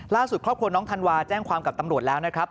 ครอบครัวน้องธันวาแจ้งความกับตำรวจแล้วนะครับ